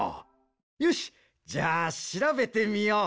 よしじゃあしらべてみよう。